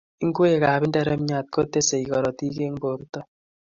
Ngwekab nderemiat kotesei korotik eng borto